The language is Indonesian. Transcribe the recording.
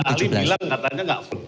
tadi saudara ahli bilang katanya enggak full